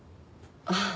ああ。